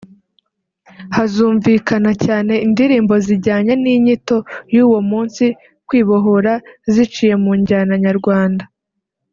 Hazumvikana cyane indirimbo zijyanye n’inyito y’uwo munsi (kwibohora) ziciye mu njyana Nyarwanda